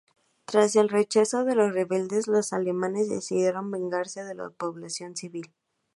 Tras el rechazo de los rebeldes, los alemanes decidieron vengarse de la población civil.